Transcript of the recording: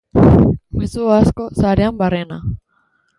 Mezu asko sarean barrena.